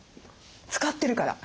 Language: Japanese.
使ってるから。